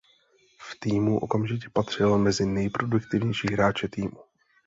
V týmu okamžitě patřil mezi nejproduktivnější hráče týmu.